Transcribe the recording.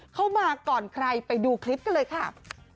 เข้ามาก่อนใครไปดูคลิปกันเลยค่ะ